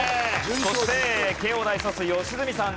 そして慶應大卒良純さんです。